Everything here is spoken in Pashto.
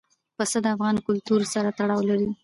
پسه د افغان کلتور سره تړاو لري.